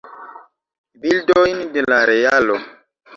Bildojn de la realo.